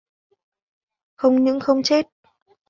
không những không chết